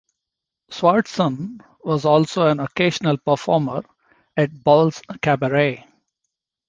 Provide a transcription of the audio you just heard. Swardson was also an occasional performer at Balls Cabaret.